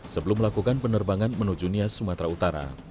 sebelum melakukan penerbangan menuju nia sumatera utara